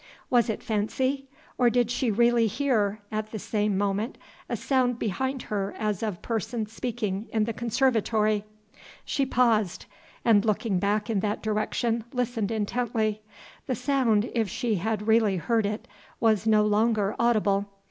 Was it fancy? or did she really hear, at the same moment, a sound behind her as of persons speaking in the conservatory? She paused; and, looking back in that direction, listened intently. The sound if she had really heard it was no longer audible.